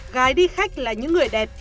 gái đi khách là những người đẹp